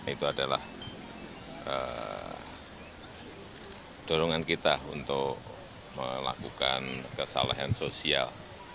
itu adalah dorongan kita untuk melakukan kesalahan sosial